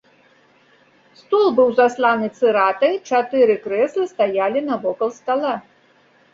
Стол быў засланы цыратай, чатыры крэслы стаялі навокал стала.